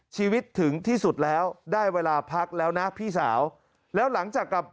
ถึงที่สุดแล้วได้เวลาพักแล้วนะพี่สาวแล้วหลังจากกลับ